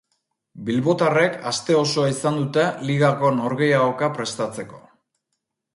Bilbotarrek aste osoa izan dute ligako norgehiagoka prestatzeko.